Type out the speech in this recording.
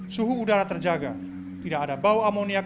suhu udara terjaga tidak ada bau amoniak